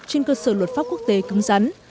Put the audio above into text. trên cơ sở luật pháp quốc tế cấm rắn